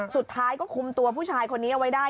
สุดท้ายก็คุมตัวผู้ชายคนนี้เอาไว้ได้